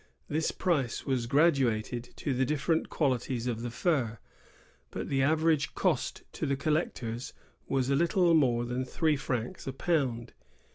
This price was graduated to the different qualities of the fur; but the average cost to the collectors was a little more than three francs a pound.